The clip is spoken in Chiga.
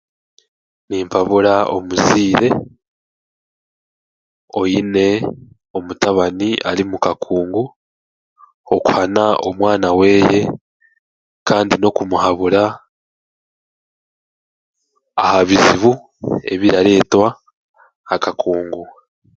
Nimpabura omuzaire oine omutabani ari mukakungu okuhana omwana weeye kandi n'okumuhabura aha bizibu ebiraretwa akakungu.